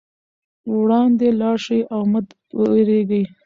وړاندې لاړ شئ او مه وېرېږئ.